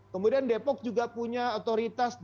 kemudian depok juga punya otoritas